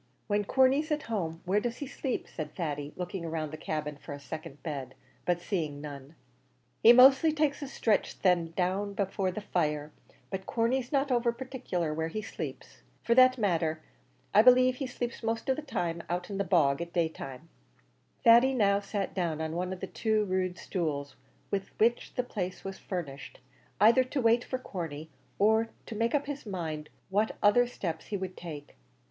"When Corney's at home, where does he sleep?" said Thady, looking round the cabin for a second bed, but seeing none. "He mostly takes a stretch then down there afore the fire; but Corney's not over partickler where he sleeps. For the matter of that, I b'lieve he sleeps most out in the bog at day time." Thady now sat down on one of the two rude stools with which the place was furnished, either to wait for Corney, or to make up his mind what other steps he would take.